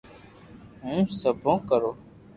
ھون سيوا ڪرو